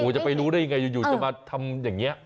จะไปรู้ได้ยังไงอยู่จะมาทำอย่างนี้